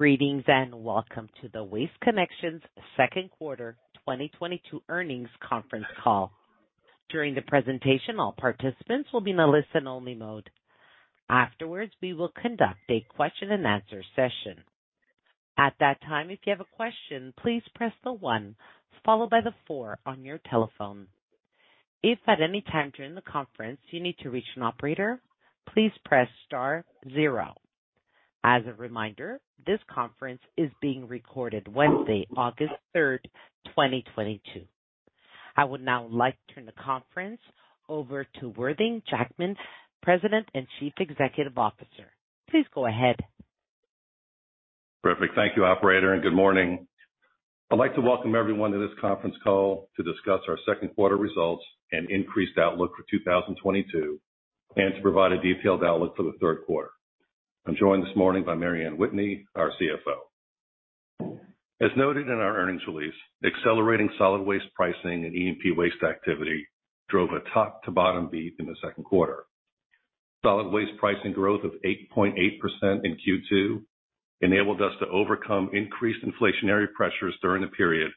Greetings, and welcome to the Waste Connections second quarter 2022 earnings conference call. During the presentation, all participants will be in a listen only mode. Afterwards, we will conduct a question and answer session. At that time, if you have a question, please press the 1 followed by the 4 on your telephone. If at any time during the conference you need to reach an operator, please press star zero. As a reminder, this conference is being recorded Wednesday, August 3, 2022. I would now like to turn the conference over to Worthing Jackman, President and Chief Executive Officer. Please go ahead. Perfect. Thank you, operator, and good morning. I'd like to welcome everyone to this conference call to discuss our second quarter results and increased outlook for 2022, and to provide a detailed outlook for the third quarter. I'm joined this morning by Mary Anne Whitney, our CFO. As noted in our earnings release, accelerating solid waste pricing and E&P waste activity drove a top to bottom beat in the second quarter. Solid waste pricing growth of 8.8% in Q2 enabled us to overcome increased inflationary pressures during the period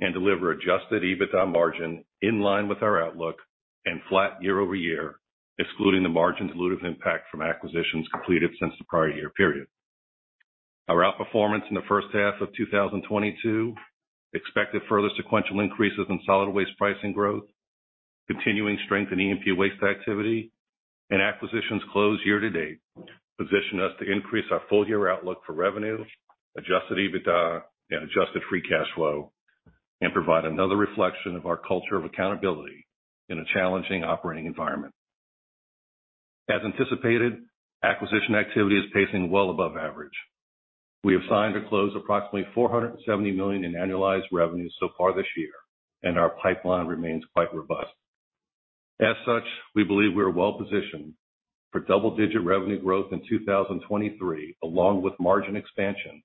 and deliver adjusted EBITDA margin in line with our outlook and flat year-over-year, excluding the margin dilutive impact from acquisitions completed since the prior year period. Our outperformance in the first half of 2022 expected further sequential increases in solid waste pricing growth, continuing strength in E&P waste activity, and acquisitions closed year to date position us to increase our full-year outlook for revenue, adjusted EBITDA, and adjusted free cash flow, and provide another reflection of our culture of accountability in a challenging operating environment. As anticipated, acquisition activity is pacing well above average. We have signed or closed approximately $470 million in annualized revenues so far this year, and our pipeline remains quite robust. As such, we believe we are well-positioned for double-digit revenue growth in 2023, along with margin expansion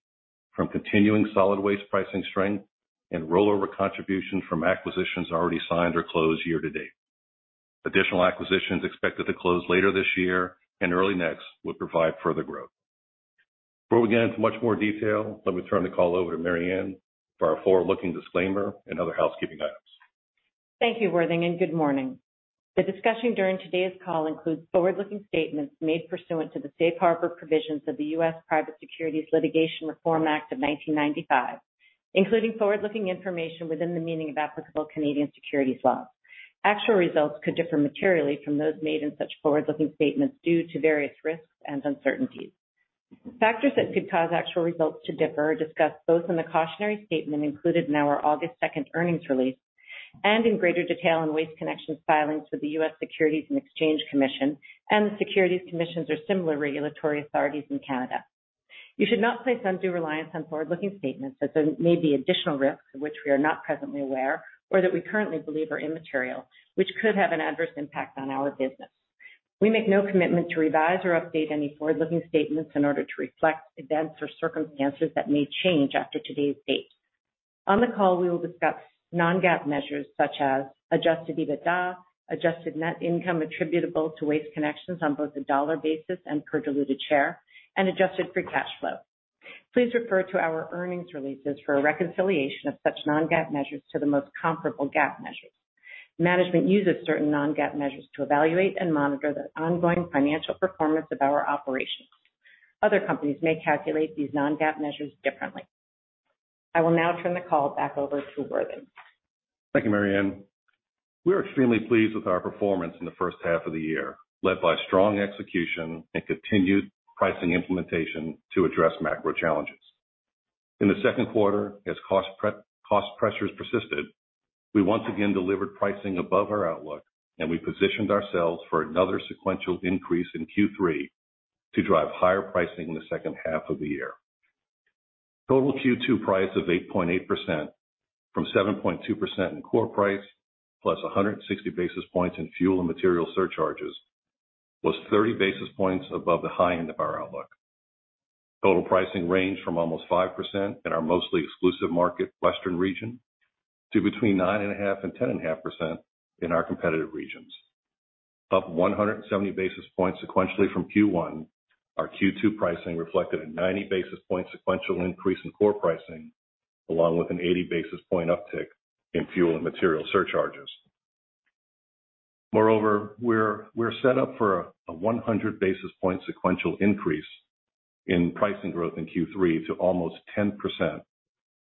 from continuing solid waste pricing strength and rollover contributions from acquisitions already signed or closed year to date. Additional acquisitions expected to close later this year and early next would provide further growth. Before we get into much more detail, let me turn the call over to Mary Anne for our forward-looking disclaimer and other housekeeping items. Thank you, Worthing, and good morning. The discussion during today's call includes forward-looking statements made pursuant to the Safe Harbor Provisions of the US Private Securities Litigation Reform Act of 1995, including forward-looking information within the meaning of applicable Canadian securities laws. Actual results could differ materially from those made in such forward-looking statements due to various risks and uncertainties. Factors that could cause actual results to differ are discussed both in the cautionary statement included in our August 2 earnings release and in greater detail in Waste Connections' filings with the US Securities and Exchange Commission and the Securities Commissions or similar regulatory authorities in Canada. You should not place undue reliance on forward-looking statements, as there may be additional risks of which we are not presently aware or that we currently believe are immaterial, which could have an adverse impact on our business. We make no commitment to revise or update any forward-looking statements in order to reflect events or circumstances that may change after today's date. On the call, we will discuss non-GAAP measures such as adjusted EBITDA, adjusted net income attributable to Waste Connections on both a dollar basis and per diluted share, and adjusted free cash flow. Please refer to our earnings releases for a reconciliation of such non-GAAP measures to the most comparable GAAP measures. Management uses certain non-GAAP measures to evaluate and monitor the ongoing financial performance of our operations. Other companies may calculate these non-GAAP measures differently. I will now turn the call back over to Worthing. Thank you, Mary Anne. We are extremely pleased with our performance in the first half of the year, led by strong execution and continued pricing implementation to address macro challenges. In the second quarter, as cost pressures persisted, we once again delivered pricing above our outlook, and we positioned ourselves for another sequential increase in Q3 to drive higher pricing in the second half of the year. Total Q2 price of 8.8% from 7.2% in core price, plus 160 basis points in fuel and material surcharges was 30 basis points above the high end of our outlook. Total pricing ranged from almost 5% in our mostly exclusive market western region to between 9.5% and 10.5% in our competitive regions. Up 170 basis points sequentially from Q1, our Q2 pricing reflected a 90 basis point sequential increase in core pricing, along with an 80 basis point uptick in fuel and material surcharges. Moreover, we're set up for a 100 basis point sequential increase in pricing growth in Q3 to almost 10%,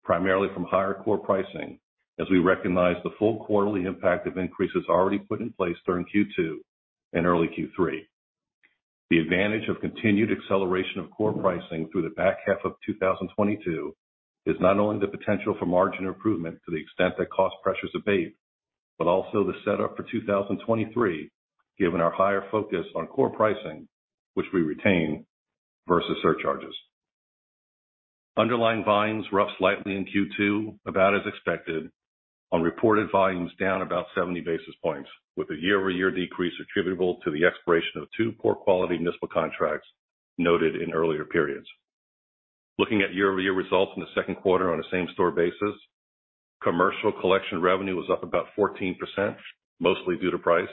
primarily from higher core pricing, as we recognize the full quarterly impact of increases already put in place during Q2 and early Q3. The advantage of continued acceleration of core pricing through the back half of 2022 is not only the potential for margin improvement to the extent that cost pressures abate, but also the set up for 2023, given our higher focus on core pricing, which we retain versus surcharges. Underlying volumes were up slightly in Q2, about as expected on reported volumes down about 70 basis points, with a year-over-year decrease attributable to the expiration of 2 poor quality municipal contracts noted in earlier periods. Looking at year-over-year results in the second quarter on a same-store basis, commercial collection revenue was up about 14%, mostly due to price.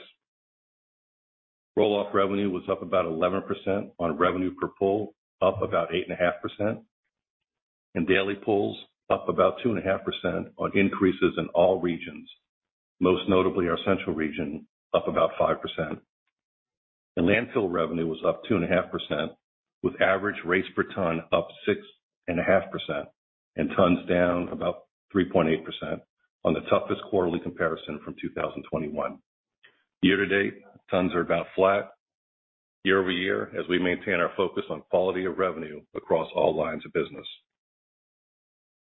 Roll-off revenue was up about 11% on revenue per pull, up about 8.5%. Daily pulls up about 2.5% on increases in all regions, most notably our central region, up about 5%. The landfill revenue was up 2.5%, with average rates per ton up 6.5% and tons down about 3.8% on the toughest quarterly comparison from 2021. Year to date, tons are about flat year-over-year as we maintain our focus on quality of revenue across all lines of business.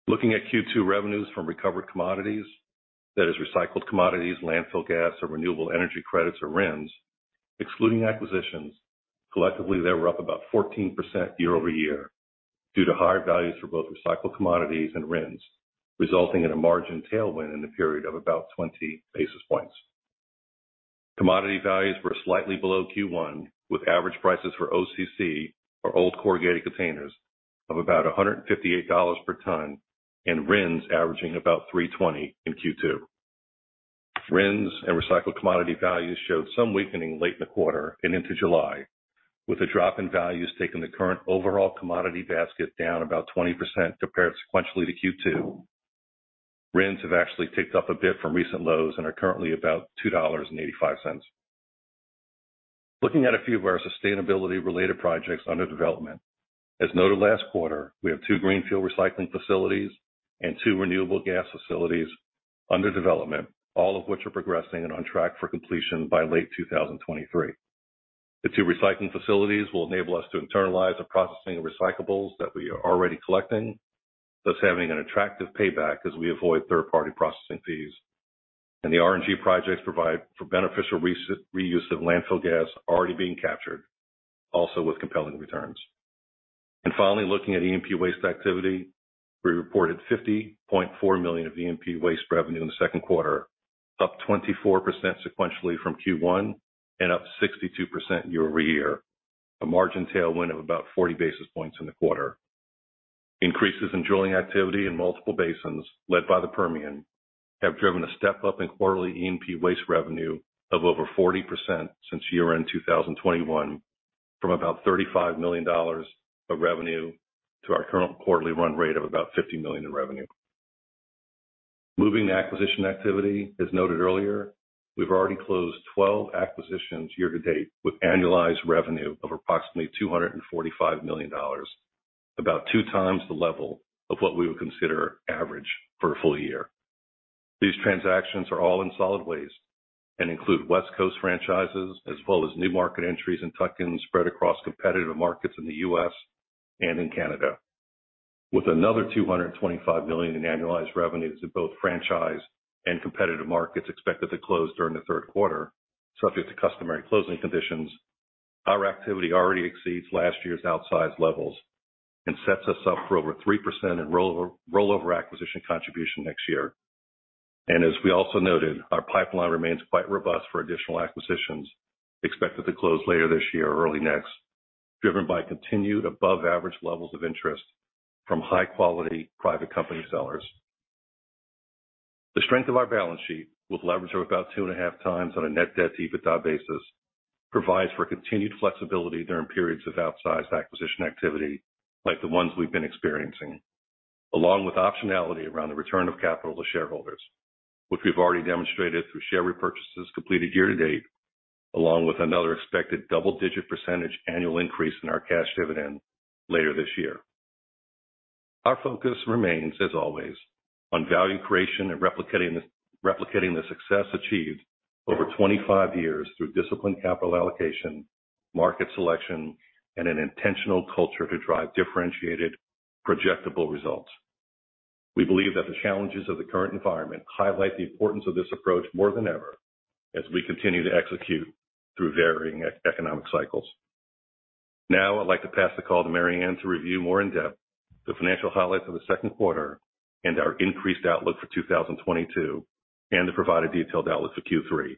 Looking at Q2 revenues from recovered commodities, that is recycled commodities, landfill gas, or renewable energy credits or RINs, excluding acquisitions, collectively, they were up about 14% year-over-year due to higher values for both recycled commodities and RINs, resulting in a margin tailwind in the period of about 20 basis points. Commodity values were slightly below Q1, with average prices for OCC or old corrugated containers of about $158 per ton and RINs averaging about $320 in Q2. RINs and recycled commodity values showed some weakening late in the quarter and into July, with a drop in values taking the current overall commodity basket down about 20% compared sequentially to Q2. RINs have actually ticked up a bit from recent lows and are currently about $2.85. Looking at a few of our sustainability-related projects under development. As noted last quarter, we have 2 greenfield recycling facilities and 2 renewable gas facilities under development, all of which are progressing and on track for completion by late 2023. The two recycling facilities will enable us to internalize the processing of recyclables that we are already collecting, thus having an attractive payback as we avoid third-party processing fees. The RNG projects provide for beneficial reuse of landfill gas already being captured, also with compelling returns. Finally, looking at E&P waste activity, we reported $50.4 million of E&P waste revenue in the second quarter, up 24% sequentially from Q1 and up 62% year-over-year, a margin tailwind of about 40 basis points in the quarter. Increases in drilling activity in multiple basins led by the Permian have driven a step-up in quarterly E&P waste revenue of over 40% since year-end 2021 from about $35 million of revenue to our current quarterly run rate of about $50 million in revenue. Moving to acquisition activity. As noted earlier, we've already closed 12 acquisitions year to date with annualized revenue of approximately $245 million, about 2 times the level of what we would consider average for a full year. These transactions are all in solid waste and include West Coast franchises as well as new market entries and tuck-ins spread across competitive markets in the U.S. and in Canada. With another $225 million in annualized revenues in both franchise and competitive markets expected to close during the third quarter, subject to customary closing conditions, our activity already exceeds last year's outsized levels and sets us up for over 3% in rollover acquisition contribution next year. As we also noted, our pipeline remains quite robust for additional acquisitions expected to close later this year or early next, driven by continued above-average levels of interest from high-quality private company sellers. The strength of our balance sheet, with leverage of about 2.5 times on a net debt to EBITDA basis, provides for continued flexibility during periods of outsized acquisition activity like the ones we've been experiencing, along with optionality around the return of capital to shareholders, which we've already demonstrated through share repurchases completed year to date, along with another expected double-digit % annual increase in our cash dividend later this year. Our focus remains, as always, on value creation and replicating the success achieved over 25 years through disciplined capital allocation, market selection, and an intentional culture to drive differentiated, projectable results. We believe that the challenges of the current environment highlight the importance of this approach more than ever as we continue to execute through varying economic cycles. Now I'd like to pass the call to Mary Anne to review more in depth the financial highlights of the second quarter and our increased outlook for 2022 and to provide a detailed outlook for Q3.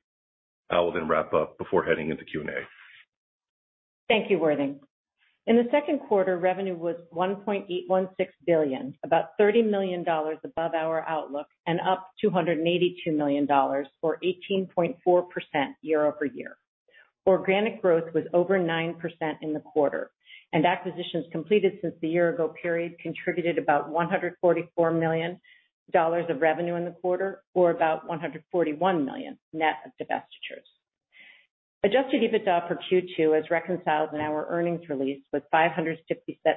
I will then wrap up before heading into Q&A. Thank you, Worthing. In the second quarter, revenue was $1.816 billion, about $30 million above our outlook and up $282 million or 18.4% year-over-year. Organic growth was over 9% in the quarter, and acquisitions completed since the year ago period contributed about $144 million of revenue in the quarter or about $141 million net of divestitures. Adjusted EBITDA for Q2 as reconciled in our earnings release was $567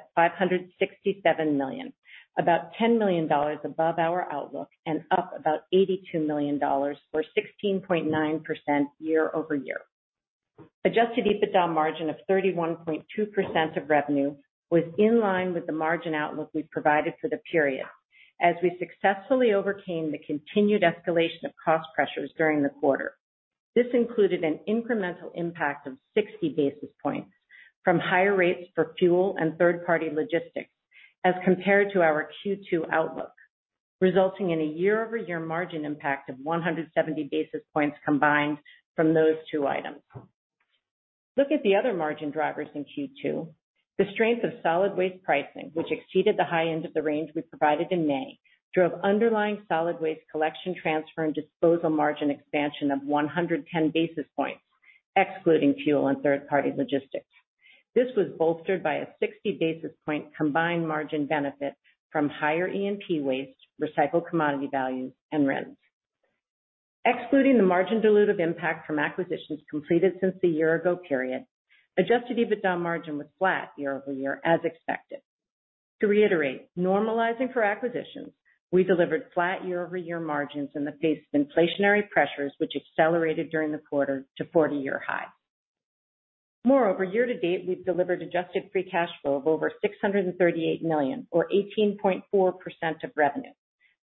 million, about $10 million above our outlook and up about $82 million or 16.9% year-over-year. Adjusted EBITDA margin of 31.2% of revenue was in line with the margin outlook we provided for the period as we successfully overcame the continued escalation of cost pressures during the quarter. This included an incremental impact of 60 basis points from higher rates for fuel and third-party logistics as compared to our Q2 outlook, resulting in a year-over-year margin impact of 170 basis points combined from those two items. Look at the other margin drivers in Q2. The strength of solid waste pricing, which exceeded the high end of the range we provided in May, drove underlying solid waste collection transfer and disposal margin expansion of 110 basis points, excluding fuel and third-party logistics. This was bolstered by a 60 basis point combined margin benefit from higher E&P waste, recycled commodity values and rents. Excluding the margin dilutive impact from acquisitions completed since the year ago period, adjusted EBITDA margin was flat year-over-year as expected. To reiterate, normalizing for acquisitions, we delivered flat year-over-year margins in the face of inflationary pressures, which accelerated during the quarter to 40-year high. Moreover, year-to-date, we've delivered adjusted free cash flow of over $638 million or 18.4% of revenue,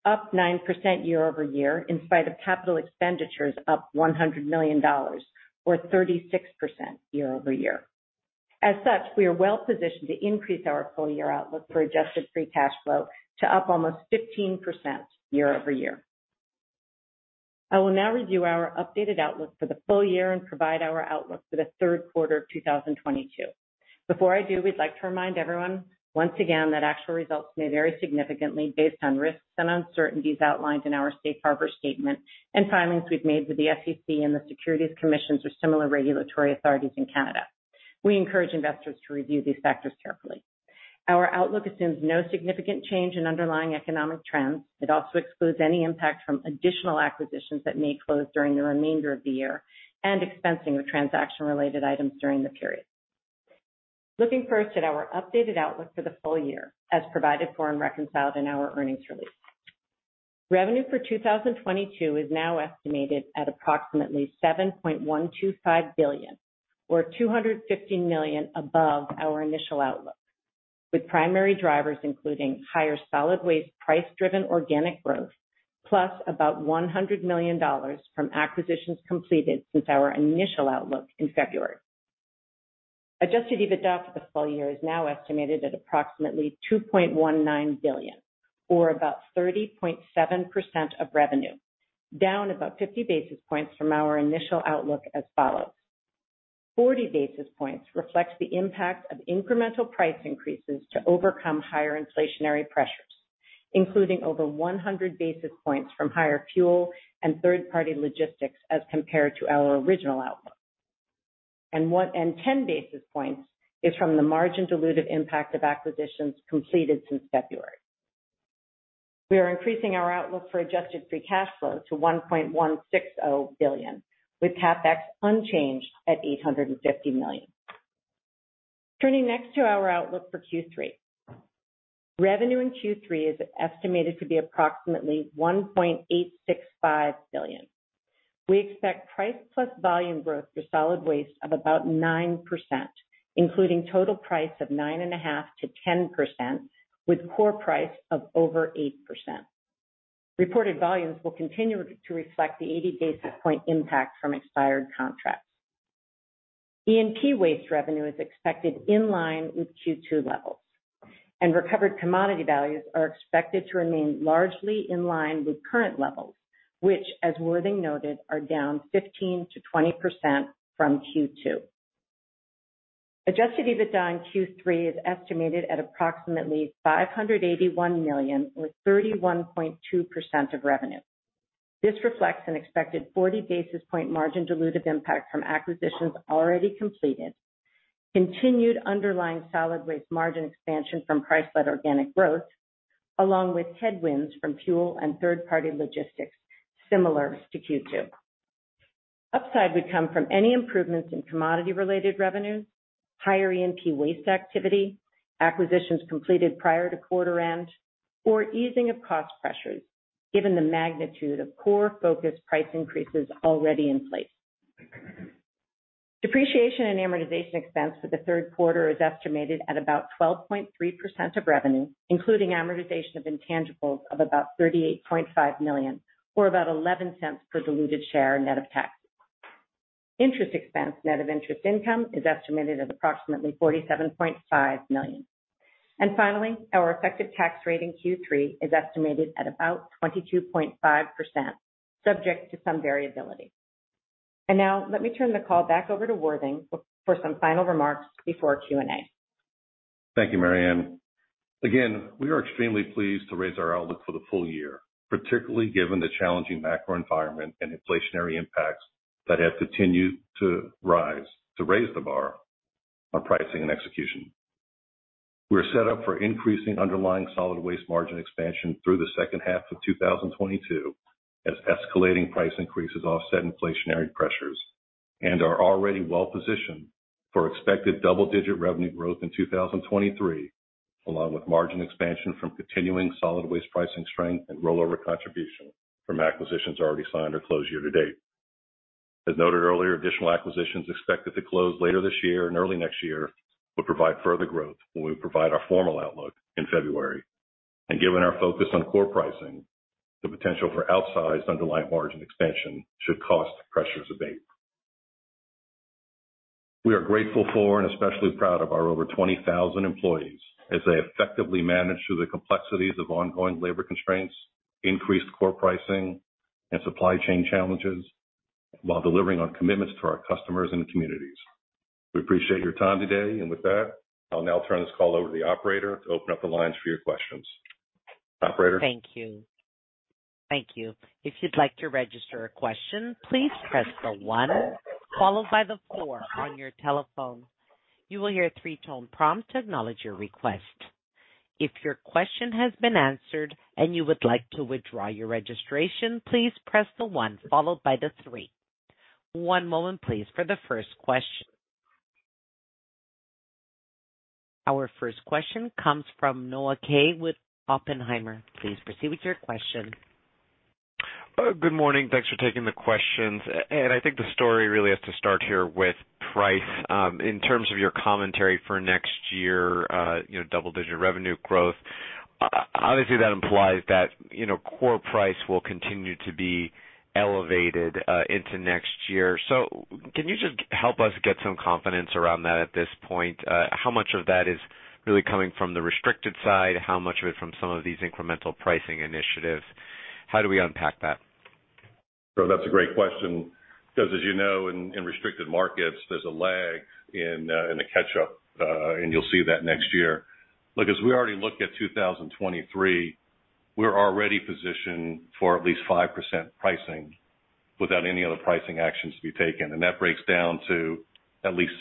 up 9% year-over-year in spite of capital expenditures up $100 million or 36% year-over-year. As such, we are well-positioned to increase our full year outlook for adjusted free cash flow to up almost 15% year-over-year. I will now review our updated outlook for the full year and provide our outlook for the third quarter of 2022. Before I do, we'd like to remind everyone once again that actual results may vary significantly based on risks and uncertainties outlined in our safe harbor statement and filings we've made with the SEC and the Securities Commissions or similar regulatory authorities in Canada. We encourage investors to review these factors carefully. Our outlook assumes no significant change in underlying economic trends. It also excludes any impact from additional acquisitions that may close during the remainder of the year and expensing of transaction-related items during the period. Looking first at our updated outlook for the full year, as provided for and reconciled in our earnings release. Revenue for 2022 is now estimated at approximately $7.125 billion or $250 million above our initial outlook, with primary drivers including higher solid waste price-driven organic growth, plus about $100 million from acquisitions completed since our initial outlook in February. Adjusted EBITDA for the full year is now estimated at approximately $2.19 billion or about 30.7% of revenue, down about 50 basis points from our initial outlook as follows, 40 basis points reflects the impact of incremental price increases to overcome higher inflationary pressures, including over 100 basis points from higher fuel and third-party logistics as compared to our original outlook. 110 basis points is from the margin dilutive impact of acquisitions completed since February. We are increasing our outlook for adjusted free cash flow to $1.160 billion, with CapEx unchanged at $850 million. Turning next to our outlook for Q3. Revenue in Q3 is estimated to be approximately $1.865 billion. We expect price plus volume growth for solid waste of about 9%, including total price of 9.5%-10%, with core price of over 8%. Reported volumes will continue to reflect the 80 basis point impact from expired contracts. E&P waste revenue is expected in line with Q2 levels, and recovered commodity values are expected to remain largely in line with current levels, which, as Worthing noted, are down 15%-20% from Q2. Adjusted EBITDA in Q3 is estimated at approximately $581 million or 31.2% of revenue. This reflects an expected 40 basis point margin dilutive impact from acquisitions already completed, continued underlying solid waste margin expansion from price-led organic growth, along with headwinds from fuel and third-party logistics similar to Q2. Upside would come from any improvements in commodity-related revenues, higher E&P waste activity, acquisitions completed prior to quarter end, or easing of cost pressures given the magnitude of core focused price increases already in place. Depreciation and amortization expense for the third quarter is estimated at about 12.3% of revenue, including amortization of intangibles of about $38.5 million or about $0.11 per diluted share net of tax. Interest expense net of interest income is estimated at approximately $47.5 million. Finally, our effective tax rate in Q3 is estimated at about 22.5%, subject to some variability. Now let me turn the call back over to Worthing for some final remarks before Q&A. Thank you, Mary Anne. Again, we are extremely pleased to raise our outlook for the full year, particularly given the challenging macro environment and inflationary impacts that have continued to rise, to raise the bar on pricing and execution. We are set up for increasing underlying solid waste margin expansion through the second half of 2022 as escalating price increases offset inflationary pressures and are already well positioned for expected double-digit revenue growth in 2023, along with margin expansion from continuing solid waste pricing strength and rollover contribution from acquisitions already signed or closed year to date. As noted earlier, additional acquisitions expected to close later this year and early next year will provide further growth when we provide our formal outlook in February. Given our focus on core pricing, the potential for outsized underlying margin expansion should cost pressures abate. We are grateful for and especially proud of our over 20,000 employees as they effectively manage through the complexities of ongoing labor constraints, increased core pricing and supply chain challenges while delivering on commitments to our customers and the communities. We appreciate your time today. With that, I'll now turn this call over to the operator to open up the lines for your questions. Operator? Thank you. Thank you. If you'd like to register a question, please press the one followed by the four on your telephone. You will hear a three-tone prompt to acknowledge your request. If your question has been answered and you would like to withdraw your registration, please press the one followed by the three. One moment please for the first question. Our first question comes from Noah Kaye with Oppenheimer. Please proceed with your question. Good morning. Thanks for taking the questions. I think the story really has to start here with price. In terms of your commentary for next year double-digit revenue growth, obviously, that implies that core price will continue to be elevated into next year. Can you just help us get some confidence around that at this point? How much of that is really coming from the restricted side? How much of it from some of these incremental pricing initiatives? How do we unpack that? That's a great question, because as you know, in restricted markets, there's a lag in the catch-up, and you'll see that next year. Look, as we already looked at 2023, we're already positioned for at least 5% pricing without any other pricing actions to be taken. That breaks down to at least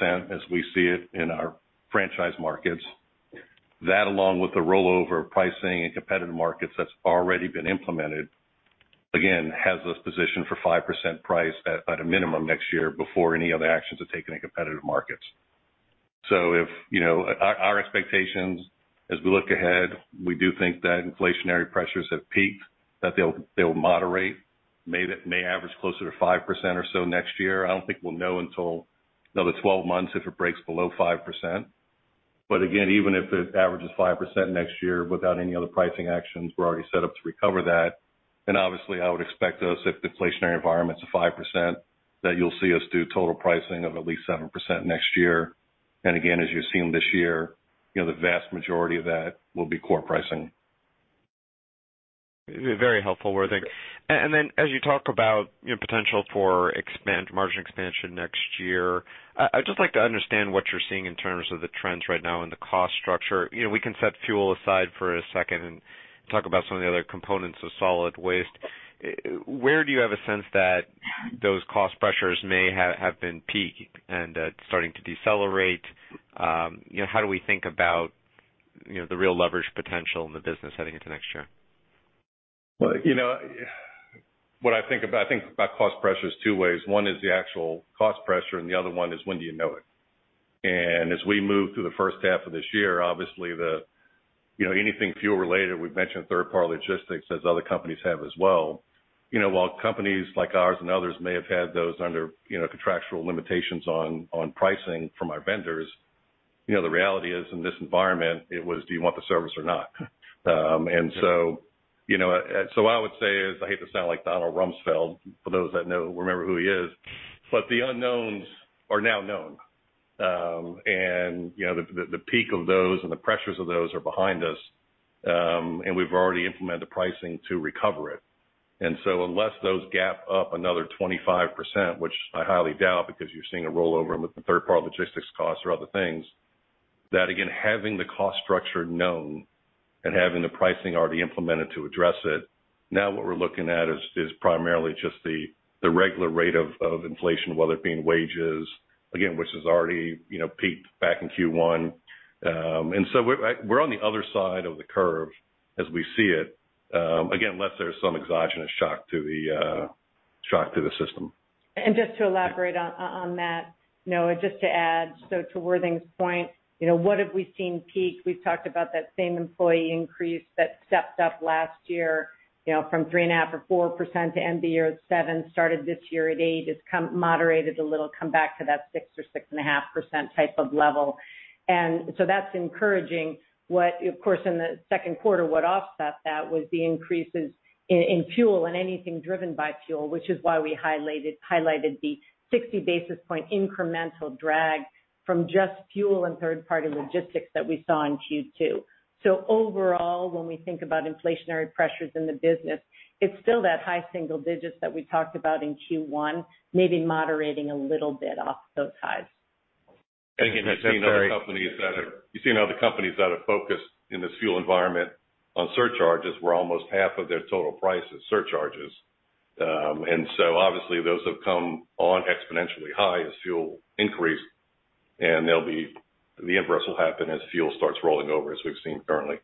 6% as we see it in our franchise markets. That, along with the rollover pricing in competitive markets that's already been implemented, again, has us positioned for 5% price at a minimum next year before any other actions are taken in competitive markets. You know, our expectations as we look ahead, we do think that inflationary pressures have peaked, that they'll moderate, may average closer to 5% or so next year. I don't think we'll know until another 12 months if it breaks below 5%. Again, even if it averages 5% next year without any other pricing actions, we're already set up to recover that. Obviously, I would expect us, if the inflationary environment is a 5%, that you'll see us do total pricing of at least 7% next year. Again, as you've seen this year the vast majority of that will be core pricing. Very helpful, Worthing. Then as you talk about potential for margin expansion next year, I'd just like to understand what you're seeing in terms of the trends right now and the cost structure. You know, we can set fuel aside for a second and talk about some of the other components of solid waste. Where do you have a sense that those cost pressures may have been peaked and starting to decelerate? You know, how do we think about the real leverage potential in the business heading into next year? well what I think about cost pressures two ways. One is the actual cost pressure, and the other one is when do you know it? As we move through the first half of this year, obviously the anything fuel related, we've mentioned third-party logistics as other companies have as well. You know, while companies like ours and others may have had those under contractual limitations on pricing from our vendors the reality is, in this environment, it was, do you want the service or not? You know, so what I would say is, I hate to sound like Donald Rumsfeld, for those that know, remember who he is, but the unknowns are now known. You know, the peak of those and the pressures of those are behind us, and we've already implemented pricing to recover it. Unless those gap up another 25%, which I highly doubt because you're seeing a rollover with the third-party logistics costs or other things, that again, having the cost structure known and having the pricing already implemented to address it, now what we're looking at is primarily just the regular rate of inflation, whether it being wages, again, which has already peaked back in Q1. We're on the other side of the curve as we see it, again, unless there's some exogenous shock to the system. Just to elaborate on that, Noah, just to add, to Worthing's point what have we seen peak? We've talked about that same employee increase that stepped up last year from 3.5 or 4% to end the year at 7%, started this year at 8%. It's come moderated a little, come back to that 6 or 6.5% type of level. That's encouraging. What, of course, in the second quarter, what offset that was the increases in fuel and anything driven by fuel, which is why we highlighted the 60 basis point incremental drag from just fuel and third-party logistics that we saw in Q2. Overall, when we think about inflationary pressures in the business, it's still that high single digits that we talked about in Q1, maybe moderating a little bit off those highs. You've seen other companies that are focused in this fuel environment on surcharges where almost half of their total price is surcharges. Obviously those have come on exponentially high as fuel increased, and the inverse will happen as fuel starts rolling over as we've seen currently.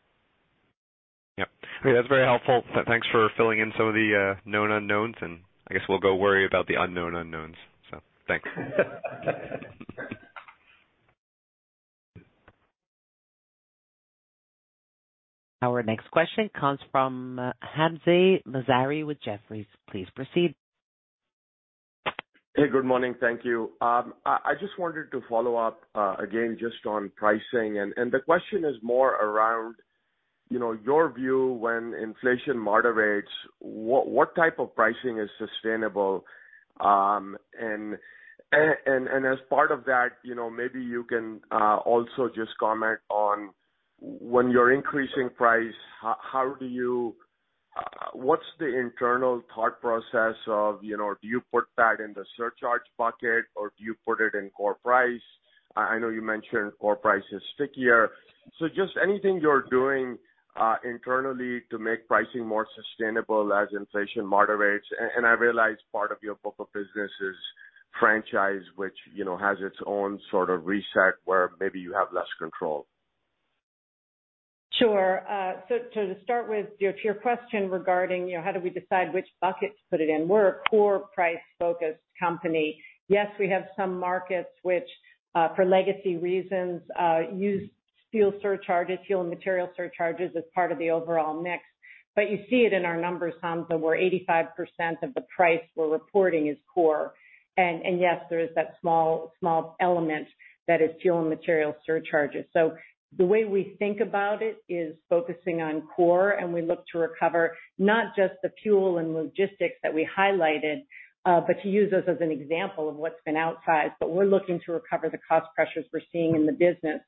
Yeah. That's very helpful. Thanks for filling in some of the known unknowns, and I guess we'll go worry about the unknown unknowns. Thanks. Our next question comes from Hamzah Mazari with Jefferies. Please proceed. Hey, good morning. Thank you. I just wanted to follow up again, just on pricing. The question is more around your view when inflation moderates, what type of pricing is sustainable? As part of that maybe you can also just comment on when you're increasing price, how do you. What's the internal thought process of do you put that in the surcharge bucket or do you put it in core price? I know you mentioned core price is stickier. Just anything you're doing internally to make pricing more sustainable as inflation moderates. I realize part of your book of business is franchise, which has its own sort of reset where maybe you have less control. Sure. To start with, to your question regarding how do we decide which bucket to put it in? We're a core price-focused company. Yes, we have some markets which, for legacy reasons, use steel surcharges, fuel and material surcharges as part of the overall mix. You see it in our numbers, Hamzah, where 85% of the price we're reporting is core. Yes, there is that small element that is fuel and material surcharges. The way we think about it is focusing on core, and we look to recover not just the fuel and logistics that we highlighted, but to use those as an example of what's been outsized. We're looking to recover the cost pressures we're seeing in the business.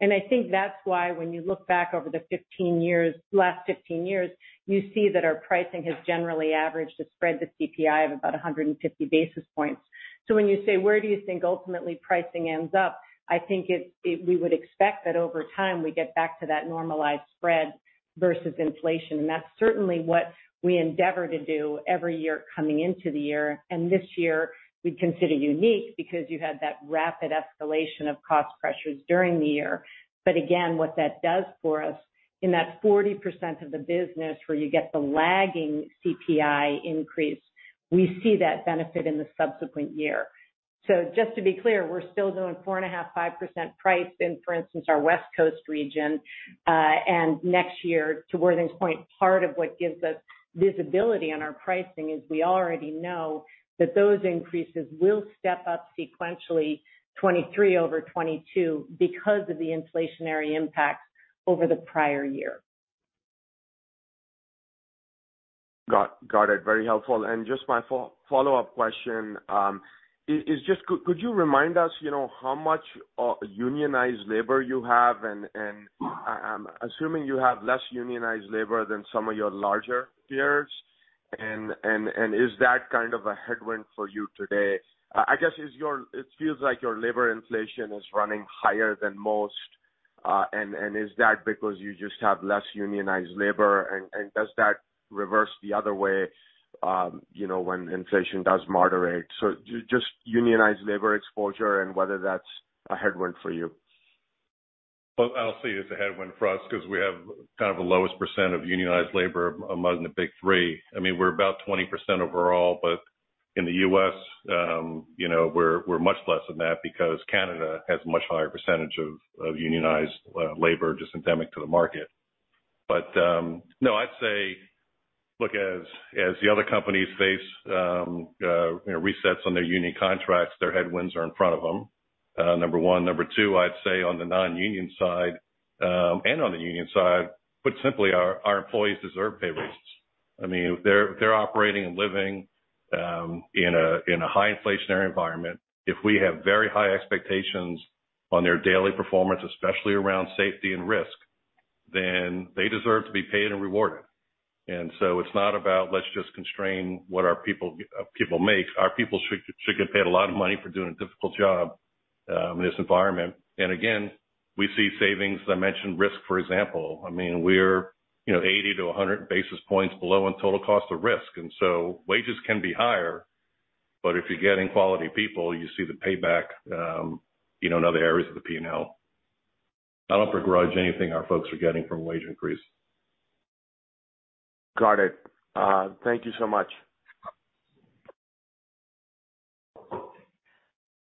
I think that's why when you look back over the 15 years, last 15 years, you see that our pricing has generally averaged a spread to CPI of about 150 basis points. When you say, where do you think ultimately pricing ends up, I think it we would expect that over time we get back to that normalized spread versus inflation. That's certainly what we endeavor to do every year coming into the year. This year we'd consider unique because you had that rapid escalation of cost pressures during the year. Again, what that does for us in that 40% of the business where you get the lagging CPI increase, we see that benefit in the subsequent year. Just to be clear, we're still doing 4.5% price in, for instance, our West Coast region. Next year, to Worthing's point, part of what gives us visibility on our pricing is we already know that those increases will step up sequentially 2023 over 2022 because of the inflationary impact over the prior year. Got it. Very helpful. Just my follow-up question is just could you remind us how much unionized labor you have? I'm assuming you have less unionized labor than some of your larger peers. Is that kind of a headwind for you today? I guess it feels like your labor inflation is running higher than most. Is that because you just have less unionized labor? Does that reverse the other way when inflation does moderate? Just unionized labor exposure and whether that's a headwind for you. Well, I'll say it's a headwind for us 'cause we have kind of the lowest percent of unionized labor among the Big Three. I mean, we're about 20% overall, but in the u.s. we're much less than that because Canada has a much higher percentage of unionized labor, just endemic to the market. No, I'd say, look, as the other companies face resets on their union contracts, their headwinds are in front of them, number one. Number two, I'd say on the non-union side, and on the union side, put simply, our employees deserve pay raises. I mean, they're operating and living in a high inflationary environment. If we have very high expectations on their daily performance, especially around safety and risk, then they deserve to be paid and rewarded. It's not about let's just constrain what our people make. Our people should get paid a lot of money for doing a difficult job in this environment. We see savings. I mentioned risk, for example. I mean, we're 80-100 basis points below on total cost of risk. Wages can be higher, but if you're getting quality people, you see the payback in other areas of the P&L. I don't begrudge anything our folks are getting from a wage increase. Got it. Thank you so much.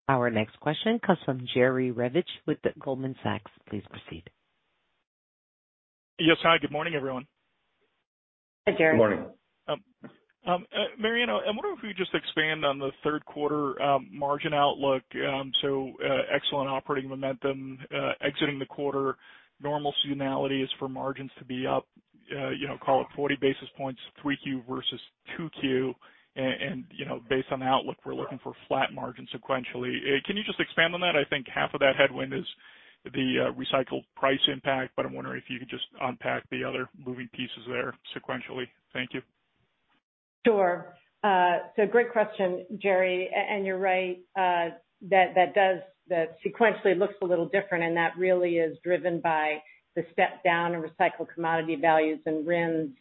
Our next question comes from Jerry Revich with Goldman Sachs. Please proceed. Yes. Hi, good morning, everyone. Hi, Jerry. Good morning. Mary Anne, I wonder if you could just expand on the third quarter margin outlook. Excellent operating momentum exiting the quarter. Normal seasonality is for margins to be up call it 40 basis points, 3Q versus 2Q. You know, based on the outlook, we're looking for flat margins sequentially. Can you just expand on that? I think half of that headwind is the recycled price impact, but I'm wondering if you could just unpack the other moving pieces there sequentially. Thank you. Sure. Great question, Jerry. You're right, that does sequentially look a little different, and that really is driven by the step down in recycled commodity values and RINs,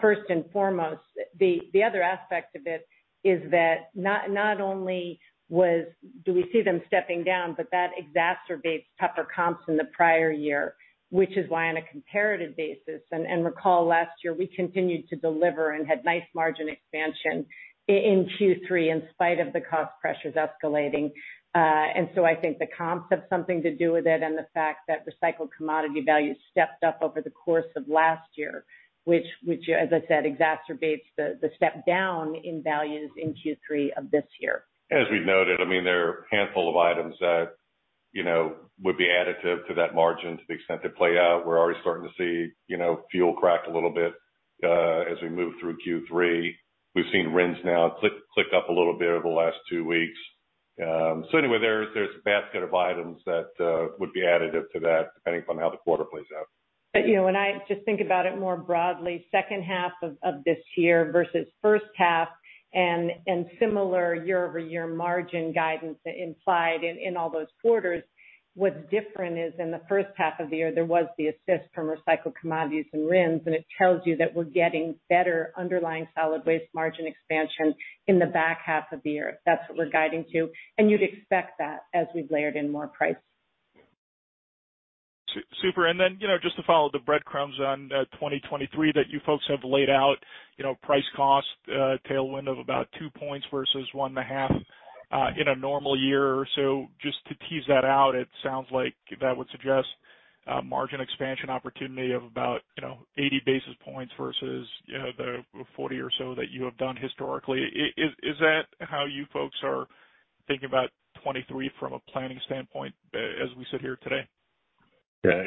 first and foremost. The other aspect of it is that not only do we see them stepping down, but that exacerbates tougher comps in the prior year, which is why on a comparative basis, recall last year, we continued to deliver and had nice margin expansion in Q3 in spite of the cost pressures escalating. I think the comps have something to do with it and the fact that recycled commodity values stepped up over the course of last year, which, as I said, exacerbates the step down in values in Q3 of this year. As we've noted, I mean, there are a handful of items that would be additive to that margin to the extent they play out. We're already starting to see fuel crack a little bit as we move through Q3. We've seen RINs now click up a little bit over the last two weeks. Anyway, there's a basket of items that would be additive to that depending upon how the quarter plays out. You know, when I just think about it more broadly, second half of this year versus first half and similar year-over-year margin guidance implied in all those quarters, what's different is in the first half of the year, there was the assist from recycled commodities and RINs, and it tells you that we're getting better underlying solid waste margin expansion in the back half of the year. That's what we're guiding to, and you'd expect that as we've layered in more price. Super. You know, just to follow the breadcrumbs on 2023 that you folks have laid out price-cost tailwind of about 2 points versus 1.5 in a normal year or so. Just to tease that out, it sounds like that would suggest a margin expansion opportunity of about 80 basis points versus the 40 or so that you have done historically. Is that how you folks are thinking about 2023 from a planning standpoint as we sit here today? Yeah.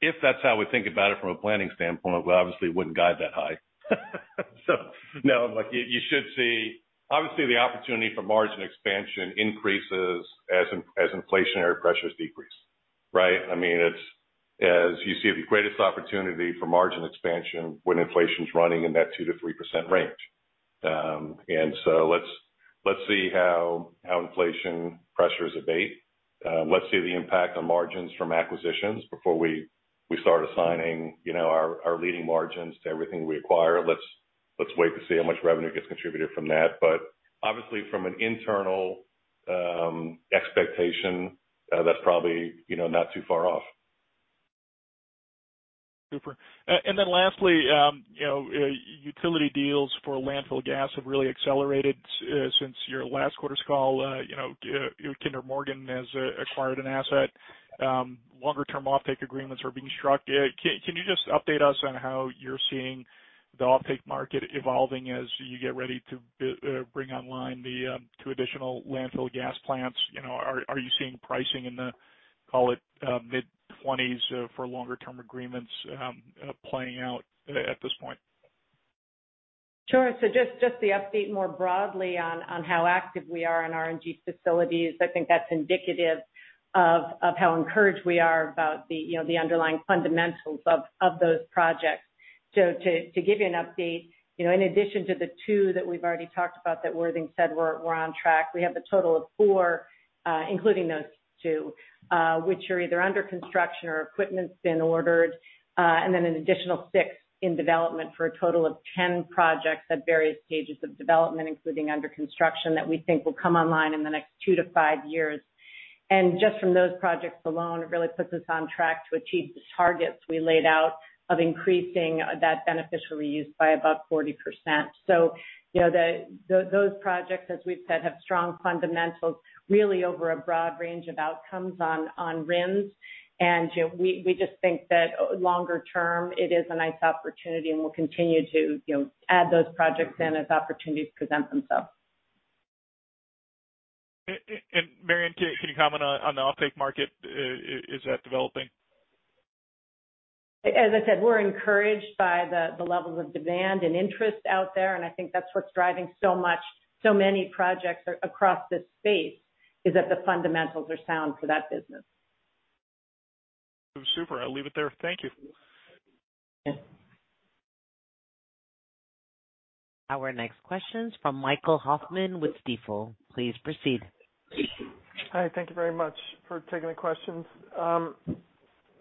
If that's how we think about it from a planning standpoint, we obviously wouldn't guide that high. No, like, you should see. Obviously, the opportunity for margin expansion increases as inflationary pressures decrease, right? I mean, it's as you see the greatest opportunity for margin expansion when inflation's running in that 2%-3% range. Let's see how inflation pressures abate. Let's see the impact on margins from acquisitions before we start assigning our leading margins to everything we acquire. Let's wait to see how much revenue gets contributed from that. But obviously from an internal expectation, that's probably not too far off. Super. Then lastly utility deals for landfill gas have really accelerated since your last quarter's call. You know, Kinder Morgan has acquired an asset. Longer-term offtake agreements are being struck. Can you just update us on how you're seeing the offtake market evolving as you get ready to bring online the two additional landfill gas plants? You know, are you seeing pricing in the, call it, mid-20s, for longer-term agreements playing out at this point? Sure. Just the update more broadly on how active we are in RNG facilities, I think that's indicative of how encouraged we are about the the underlying fundamentals of those projects. To give you an update in addition to the two that we've already talked about that Worthing said we're on track, we have a total of four, including those two, which are either under construction or equipment's been ordered, and then an additional six in development for a total of 10 projects at various stages of development, including under construction, that we think will come online in the next 2-5 years. Just from those projects alone, it really puts us on track to achieve the targets we laid out of increasing that beneficial reuse by above 40%. You know, those projects, as we've said, have strong fundamentals, really over a broad range of outcomes on RINs. You know, we just think that longer term it is a nice opportunity, and we'll continue to add those projects in as opportunities present themselves. Mary Anne, can you comment on the offtake market? Is that developing? As I said, we're encouraged by the levels of demand and interest out there, and I think that's what's driving so many projects across this space, is that the fundamentals are sound for that business. Super. I'll leave it there. Thank you. Yeah. Our next question's from Michael Hoffman with Stifel. Please proceed. Hi, thank you very much for taking the questions.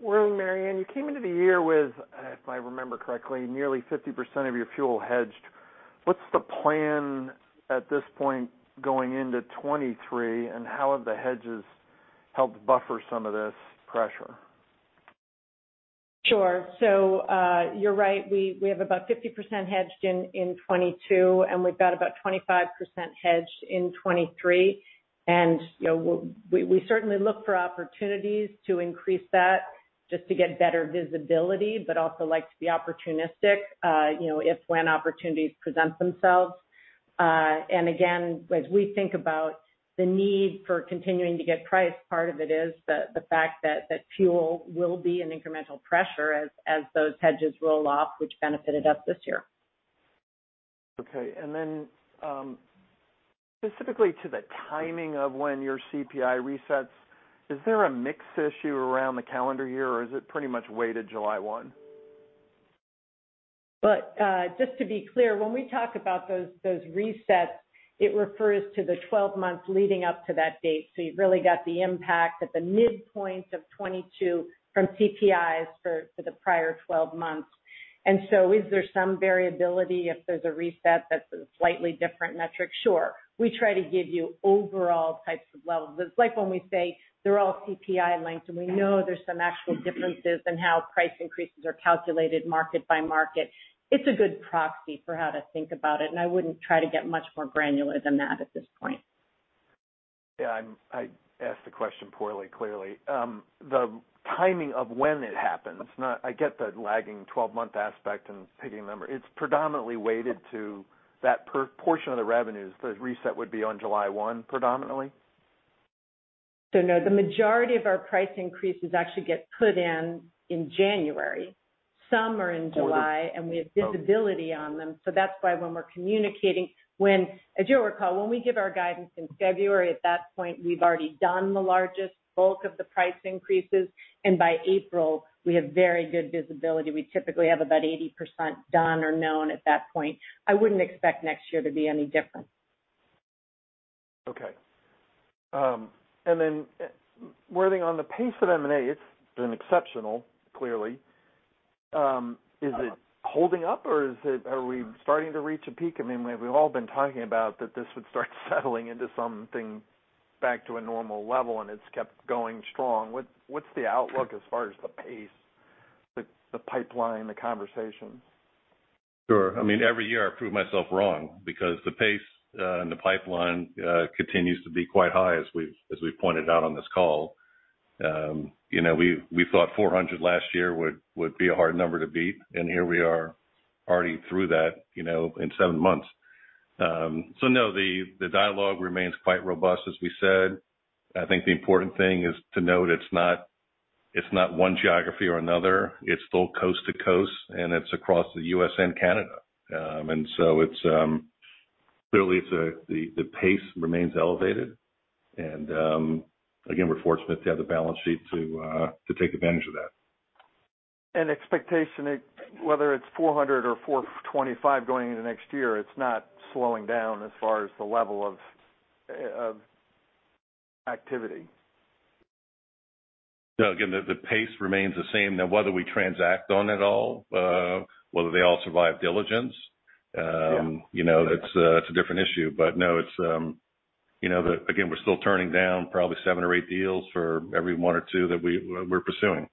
Worthing, Marianne, you came into the year with, if I remember correctly, nearly 50% of your fuel hedged. What's the plan at this point going into 2023, and how have the hedges helped buffer some of this pressure? Sure. You're right. We have about 50% hedged in 2022, and we've got about 25% hedged in 2023. You know, we certainly look for opportunities to increase that just to get better visibility, but also like to be opportunistic if and when opportunities present themselves. Again, as we think about the need for continuing to get price, part of it is the fact that fuel will be an incremental pressure as those hedges roll off, which benefited us this year. Okay. Specifically to the timing of when your CPI resets, is there a mix issue around the calendar year, or is it pretty much weighted July 1? Just to be clear, when we talk about those resets, it refers to the 12 months leading up to that date. You've really got the impact at the midpoint of 2022 from CPIs for the prior 12 months. Is there some variability if there's a reset that's a slightly different metric? Sure. We try to give you overall types of levels. It's like when we say they're all CPI linked, and we know there's some actual differences in how price increases are calculated market by market. It's a good proxy for how to think about it, and I wouldn't try to get much more granular than that at this point. Yeah, I asked the question poorly, clearly. The timing of when it happens, I get the lagging twelve-month aspect and picking the number. It's predominantly weighted to that portion of the revenues, the reset would be on July 1 predominantly? No, the majority of our price increases actually get put in January. Some are in July, and we have visibility on them. That's why when we're communicating, as you'll recall, when we give our guidance in February, at that point, we've already done the largest bulk of the price increases, and by April, we have very good visibility. We typically have about 80% done or known at that point. I wouldn't expect next year to be any different. Okay. A word on the pace of M&A, it's been exceptional, clearly. Is it holding up, or are we starting to reach a peak? I mean, we've all been talking about that this would start settling into something back to a normal level, and it's kept going strong. What's the outlook as far as the pace, the pipeline, the conversations? Sure. I mean, every year, I prove myself wrong because the pace and the pipeline continues to be quite high as we've pointed out on this call. You know, we thought 400 last year would be a hard number to beat, and here we are already through that in 7 months. No, the dialogue remains quite robust, as we said. I think the important thing is to note it's not one geography or another. It's still coast to coast, and it's across the U.S. and Canada. It's clearly the pace remains elevated. Again, we're fortunate to have the balance sheet to take advantage of that. Expectation, whether it's 400 or 425 going into next year, it's not slowing down as far as the level of activity. No, again, the pace remains the same. Now, whether we transact on it all, whether they all survive diligence that's a different issue. No, it's you know, again, we're still turning down probably seven or eight deals for every one or two that we're pursuing.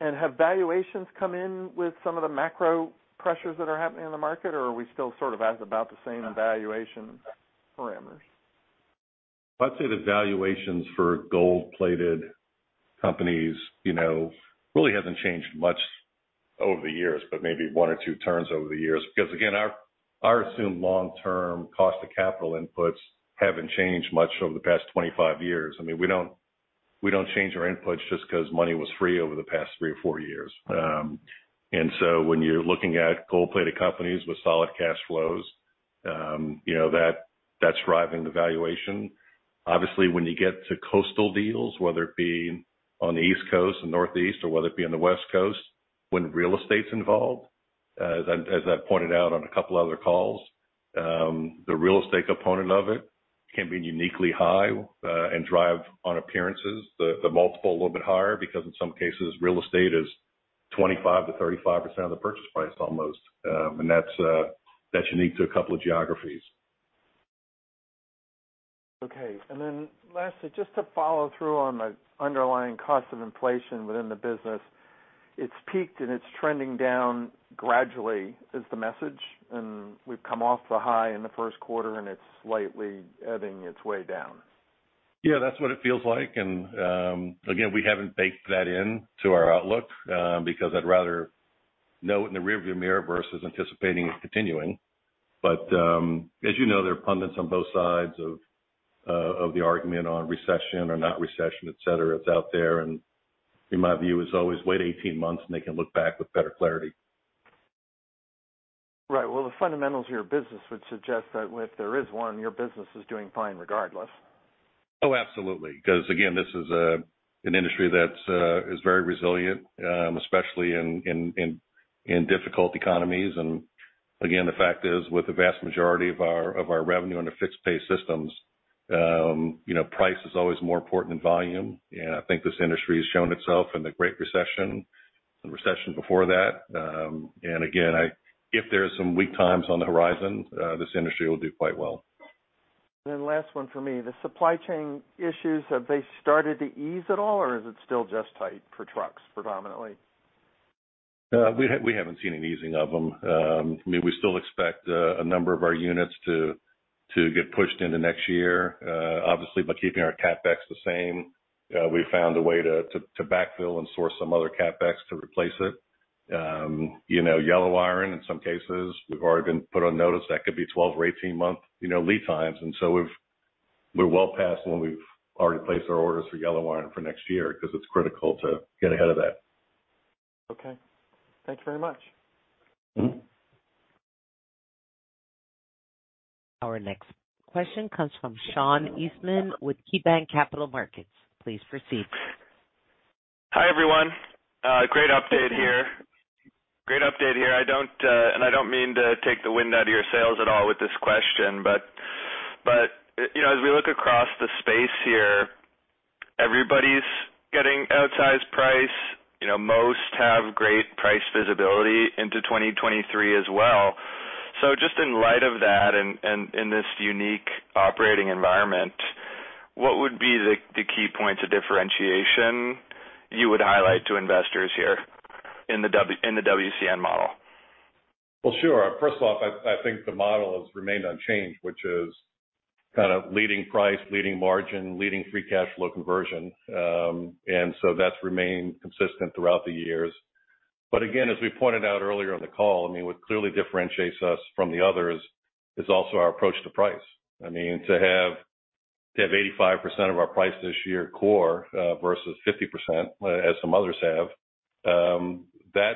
Have valuations come in with some of the macro pressures that are happening in the market, or are we still sort of at about the same valuation parameters? I'd say the valuations for gold-plated companies really hasn't changed much over the years, but maybe one or two turns over the years. Because again, our assumed long-term cost of capital inputs haven't changed much over the past 25 years. I mean, we don't change our inputs just 'cause money was free over the past three or four years. When you're looking at gold-plated companies with solid cash flows that's driving the valuation. Obviously, when you get to coastal deals, whether it be on the East Coast and Northeast or whether it be on the West Coast, when real estate's involved, as I pointed out on a couple other calls, the real estate component of it can be uniquely high, and drive on appearances. The multiple a little bit higher because in some cases, real estate is 25%-35% of the purchase price almost. That's unique to a couple of geographies. Okay. Lastly, just to follow through on the underlying cost of inflation within the business, it's peaked and it's trending down gradually is the message? We've come off the high in the first quarter, and it's slightly ebbing its way down. Yeah, that's what it feels like. Again, we haven't baked that into our outlook, because I'd rather know it in the rearview mirror versus anticipating it continuing. As you know, there are pundits on both sides of the argument on recession or not recession, et cetera. It's out there, and in my view is always wait 18 months and they can look back with better clarity. Right. Well, the fundamentals of your business would suggest that if there is one, your business is doing fine regardless. Oh, absolutely. 'Cause again, this is an industry that's very resilient, especially in difficult economies. Again, the fact is, with the vast majority of our revenue under fixed pay systems price is always more important than volume. I think this industry has shown itself in the Great Recession and recessions before that. If there's some weak times on the horizon, this industry will do quite well. Last one for me. The supply chain issues, have they started to ease at all, or is it still just tight for trucks predominantly? We haven't seen any easing of them. I mean, we still expect a number of our units to get pushed into next year. Obviously, by keeping our CapEx the same, we found a way to backfill and source some other CapEx to replace it. You know, yellow iron in some cases, we've already been put on notice that could be 12 or 18-month lead times. You know, we're well past when we've already placed our orders for yellow iron for next year 'cause it's critical to get ahead of that. Okay. Thanks very much. Our next question comes from Sean Eastman with KeyBanc Capital Markets. Please proceed. Hi, everyone. Great update here. I don't mean to take the wind out of your sails at all with this question, but you know, as we look across the space here, everybody's getting outsized price. You know, most have great price visibility into 2023 as well. Just in light of that and in this unique operating environment, what would be the key points of differentiation you would highlight to investors here in the WCN model? Well, sure. First off, I think the model has remained unchanged, which is kind of leading price, leading margin, leading free cash flow conversion. That's remained consistent throughout the years. Again, as we pointed out earlier in the call, I mean, what clearly differentiates us from the others is also our approach to price. I mean, to have 85% of our price this year core, versus 50% as some others have, that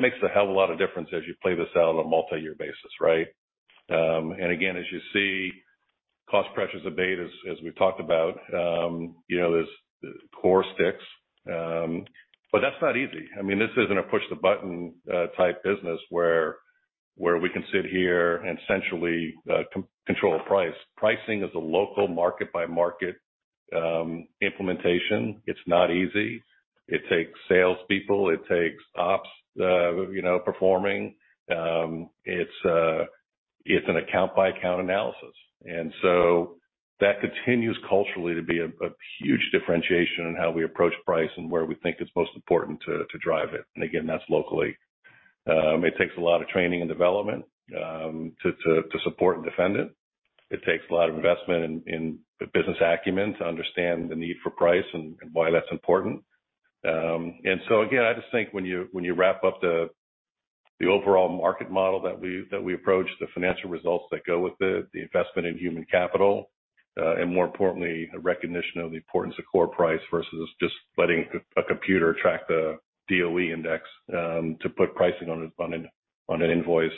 makes a hell of a lot of difference as you play this out on a multiyear basis, right? Again, as you see, cost pressures abate as we've talked about this core sticks. That's not easy. I mean, this isn't a push the button type business where we can sit here and essentially control price. Pricing is a local market by market implementation. It's not easy. It takes salespeople, it takes ops performing. It's an account by account analysis. That continues culturally to be a huge differentiation in how we approach price and where we think it's most important to drive it. Again, that's locally. It takes a lot of training and development to support and defend it. It takes a lot of investment in the business acumen to understand the need for price and why that's important. Again, I just think when you wrap up the overall market model that we approach, the financial results that go with it, the investment in human capital, and more importantly, a recognition of the importance of core price versus just letting a computer track the DOE index to put pricing on an invoice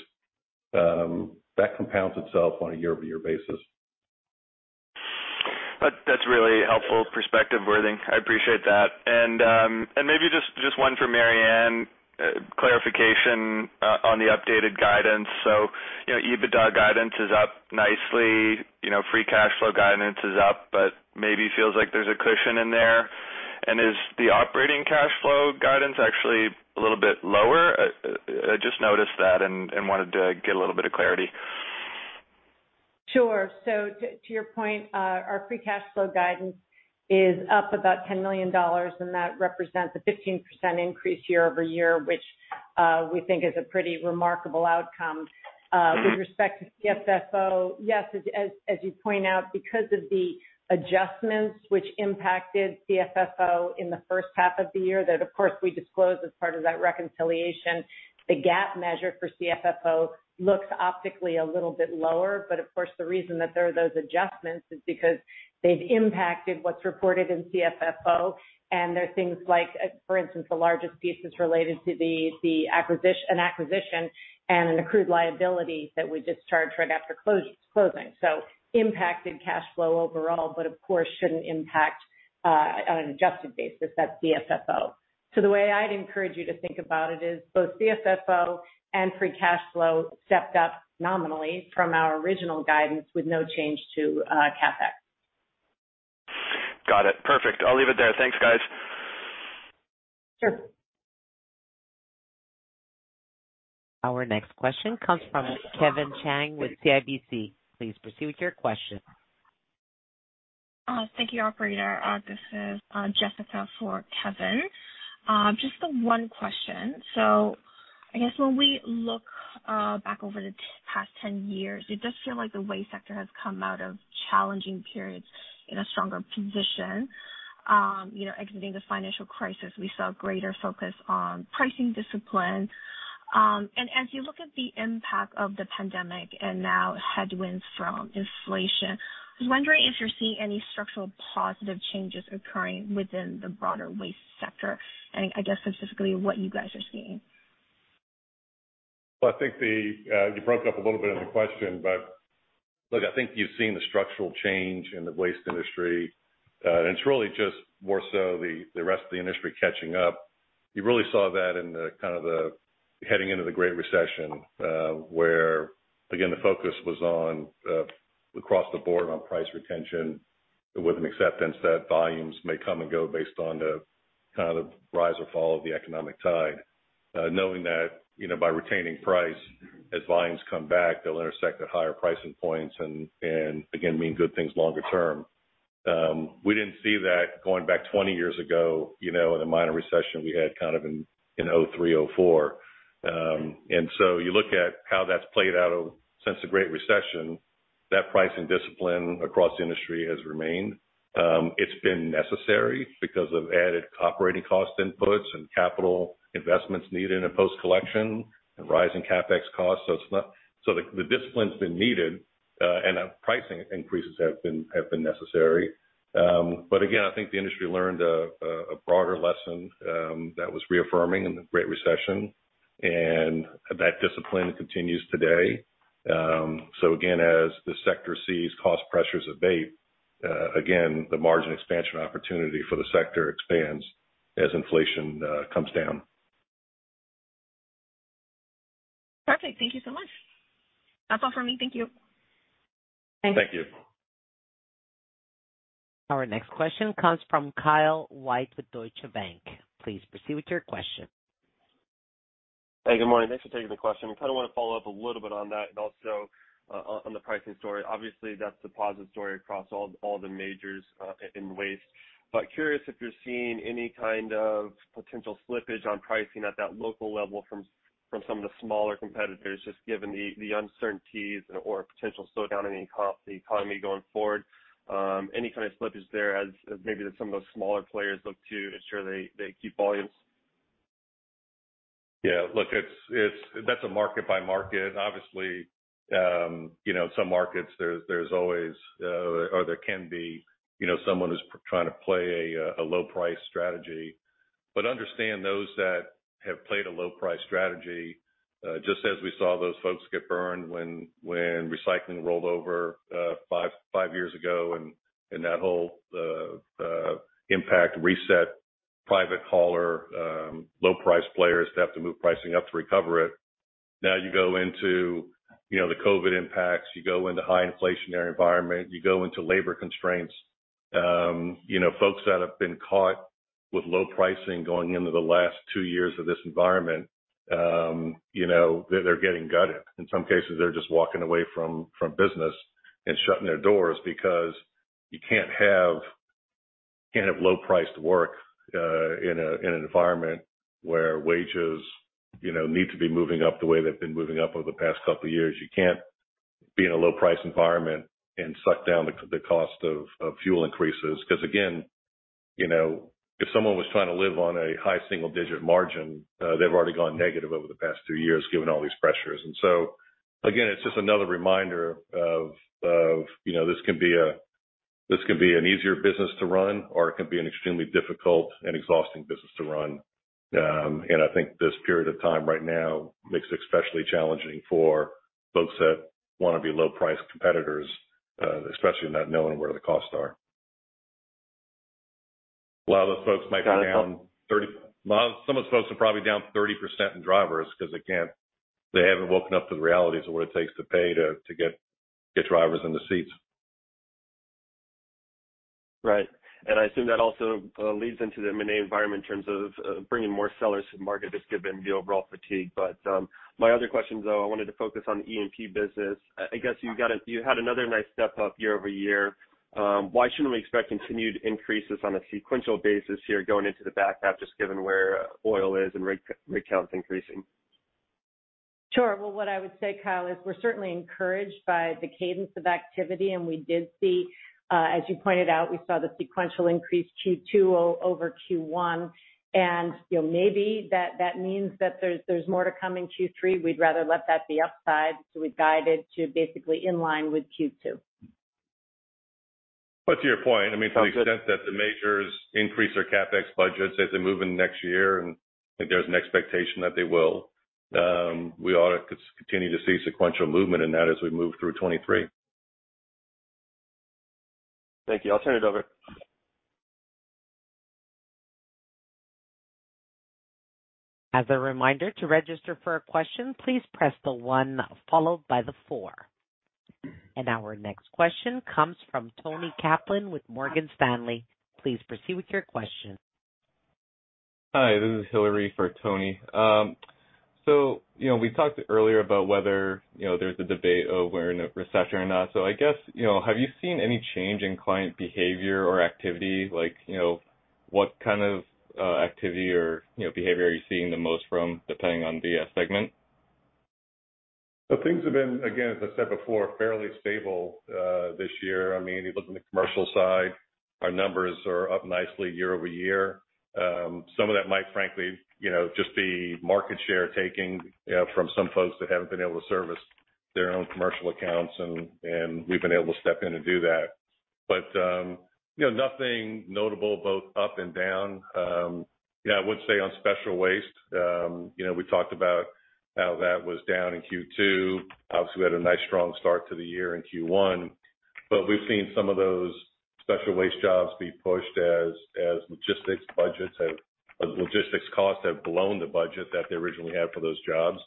that compounds itself on a year-over-year basis. That's really helpful perspective, Worthing. I appreciate that. Maybe just one for Mary Anne. Clarification on the updated guidance. You know, EBITDA guidance is up nicely. You know, free cash flow guidance is up, but maybe feels like there's a cushion in there. Is the operating cash flow guidance actually a little bit lower? I just noticed that and wanted to get a little bit of clarity. Sure. To your point, our free cash flow guidance is up about $10 million, and that represents a 15% increase year-over-year, which we think is a pretty remarkable outcome. With respect to CFFO, yes, as you point out, because of the adjustments which impacted CFFO in the first half of the year, that of course we disclosed as part of that reconciliation, the GAAP measure for CFFO looks optically a little bit lower. Of course, the reason that there are those adjustments is because they've impacted what's reported in CFFO, and they're things like, for instance, the largest piece is related to an acquisition and an accrued liability that we just charged right after closing. Impacted cash flow overall, but of course, shouldn't impact on an adjusted basis, that CFFO. The way I'd encourage you to think about it is both CFFO and free cash flow stepped up nominally from our original guidance with no change to CapEx. Got it. Perfect. I'll leave it there. Thanks, guys. Sure. Our next question comes from Kevin Chiang with CIBC. Please proceed with your question. Thank you, operator. This is Jessica for Kevin. Just the one question. I guess when we look back over the past 10 years, it does feel like the waste sector has come out of challenging periods in a stronger position. You know, exiting the financial crisis, we saw greater focus on pricing discipline. As you look at the impact of the pandemic and now headwinds from inflation, I was wondering if you're seeing any structural positive changes occurring within the broader waste sector, and I guess specifically what you guys are seeing. Well, I think you broke up a little bit in the question, but look, I think you've seen the structural change in the waste industry. It's really just more so the rest of the industry catching up. You really saw that in the kind of heading into the Great Recession, where again, the focus was on across the board on price retention with an acceptance that volumes may come and go based on the kind of rise or fall of the economic tide. Knowing that by retaining price as volumes come back, they'll intersect at higher pricing points and again, mean good things longer term. We didn't see that going back 20 years ago in the minor recession we had kind of in 2003, 2004. You look at how that's played out since the Great Recession, that pricing discipline across the industry has remained. It's been necessary because of added operating cost inputs and capital investments needed in post-collection and rising CapEx costs. The discipline's been needed, and pricing increases have been necessary. I think the industry learned a broader lesson that was reaffirming in the Great Recession, and that discipline continues today. As the sector sees cost pressures abate, the margin expansion opportunity for the sector expands as inflation comes down. Perfect. Thank you so much. That's all for me. Thank you. Thank you. Our next question comes from Kyle White with Deutsche Bank. Please proceed with your question. Hey, good morning. Thanks for taking the question. I kind of wanna follow up a little bit on that and also on the pricing story. Obviously, that's the positive story across all the majors in waste. Curious if you're seeing any kind of potential slippage on pricing at that local level from some of the smaller competitors, just given the uncertainties or potential slowdown in the economy going forward. Any kind of slippage there as maybe some of those smaller players look to ensure they keep volumes? Yeah, look, it's. That's a market by market. obviously some markets there's always, or there can be someone who's trying to play a low price strategy. Understand those that have played a low price strategy, just as we saw those folks get burned when recycling rolled over, five years ago and that whole impact reset private hauler, low price players to have to move pricing up to recover it. Now you go into the COVID impacts, you go into high inflationary environment, you go into labor constraints. You know, folks that have been caught with low pricing going into the last two years of this environment they're getting gutted. In some cases, they're just walking away from business and shutting their doors because you can't have low priced work in an environment where wages need to be moving up the way they've been moving up over the past couple of years. You can't be in a low price environment and suck down the cost of fuel increases. 'Cause again if someone was trying to live on a high single digit margin, they've already gone negative over the past two years given all these pressures. Again, it's just another reminder of this can be an easier business to run or it can be an extremely difficult and exhausting business to run. I think this period of time right now makes it especially challenging for folks that wanna be low price competitors, especially not knowing where the costs are. A lot of those folks might be down 30%. Some of those folks are probably down 30% in drivers 'cause they haven't woken up to the realities of what it takes to pay to get drivers in the seats. Right. I assume that also leads into the M&A environment in terms of bringing more sellers to the market, just given the overall fatigue. My other question, though, I wanted to focus on E&P business. I guess you had another nice step up year over year. Why shouldn't we expect continued increases on a sequential basis here going into the back half, just given where oil is and rig count is increasing? Sure. Well, what I would say, Kyle, is we're certainly encouraged by the cadence of activity, and we did see, as you pointed out, we saw the sequential increase Q2 over Q1. You know, maybe that means that there's more to come in Q3. We'd rather let that be upside, so we've guided to basically in line with Q2. To your point, I mean, to the extent that the majors increase their CapEx budgets as they move into next year, and I think there's an expectation that they will, we ought to continue to see sequential movement in that as we move through 2023. Thank you. I'll turn it over. As a reminder, to register for a question, please press the one followed by the four. Our next question comes from Toni Kaplan with Morgan Stanley. Please proceed with your question. Hi, this is Hillary for Toni. You know, we talked earlier about whether there's a debate of we're in a recession or not. I guess have you seen any change in client behavior or activity? like what kind of activity or behavior are you seeing the most from depending on the segment? Things have been, again, as I said before, fairly stable this year. I mean, you look on the commercial side, our numbers are up nicely year-over-year. Some of that might frankly just be market share taking from some folks that haven't been able to service their own commercial accounts, and we've been able to step in and do that. You know, nothing notable both up and down. Yeah, I would say on special waste we talked about how that was down in Q2. Obviously, we had a nice strong start to the year in Q1, but we've seen some of those special waste jobs be pushed as logistics costs have blown the budget that they originally had for those jobs.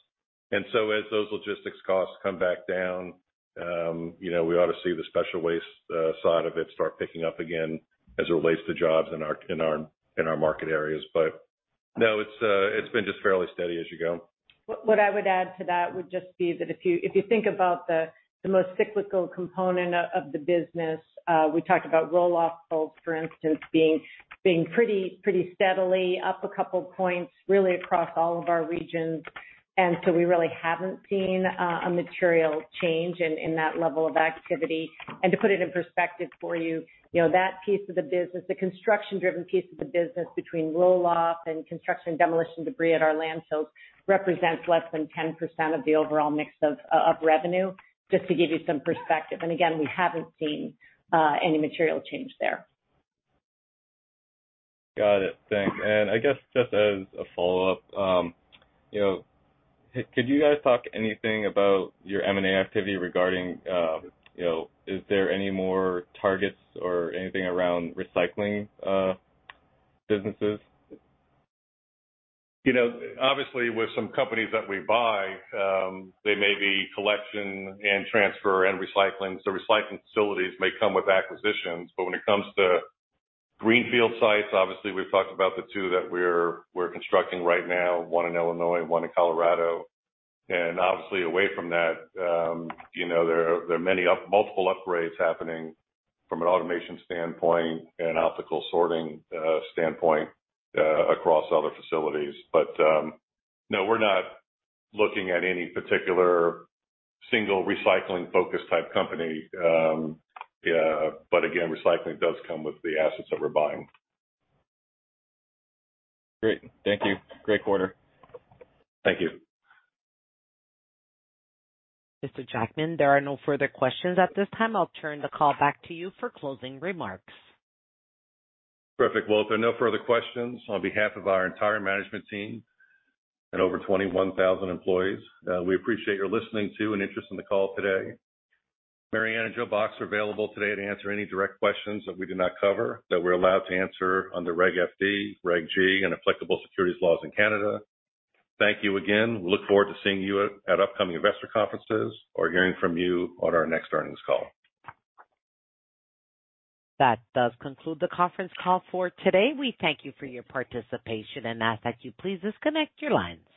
As those logistics costs come back down we ought to see the special waste side of it start picking up again as it relates to jobs in our market areas. No, it's been just fairly steady as you go. What I would add to that would just be that if you think about the most cyclical component of the business, we talked about roll-off loads, for instance, being pretty steadily up a couple points really across all of our regions. We really haven't seen a material change in that level of activity. To put it in perspective for you know, that piece of the business, the construction-driven piece of the business between roll-off and construction demolition debris at our landfills represents less than 10% of the overall mix of revenue, just to give you some perspective. Again, we haven't seen any material change there. Got it. Thanks. I guess just as a follow-up could you guys talk anything about your M&A activity regarding is there any more targets or anything around recycling businesses? Obviously with some companies that we buy, they may be collection and transfer and recycling, so recycling facilities may come with acquisitions. When it comes to greenfield sites, obviously we've talked about the two that we're constructing right now, one in Illinois and one in Colorado. Obviously away from that there are multiple upgrades happening from an automation standpoint and an optical sorting standpoint across other facilities. No, we're not looking at any particular single recycling focus type company. Again, recycling does come with the assets that we're buying. Great. Thank you. Great quarter. Thank you. Mr. Jackman, there are no further questions at this time. I'll turn the call back to you for closing remarks. Perfect. Well, if there are no further questions, on behalf of our entire management team and over 21,000 employees, we appreciate your listening to and interest in the call today. Mary Anne and Joe Box are available today to answer any direct questions that we did not cover that we're allowed to answer under Reg FD, Reg G, and applicable securities laws in Canada. Thank you again. We look forward to seeing you at upcoming investor conferences or hearing from you on our next earnings call. That does conclude the conference call for today. We thank you for your participation and ask that you please disconnect your lines.